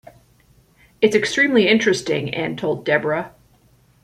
“It’s extremely interesting,” Anne told Deborah.